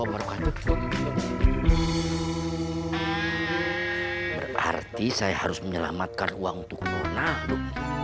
berarti saya harus menyelamatkan uang untuk mona lho